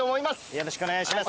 よろしくお願いします。